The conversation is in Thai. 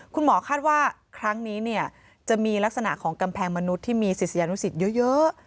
คุณหมอคาดว่าครั้งนี้เนี่ยจะมีลักษณะของกำแพงมนุษย์ที่มีศิษยานุสิตเยอะ